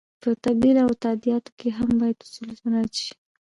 په تبدیل او تادیاتو کې هم باید اصول مراعت شي.